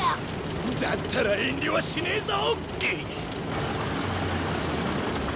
だったら遠慮はしねえぞ！